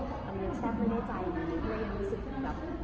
อื้อโซเวนีสิครับ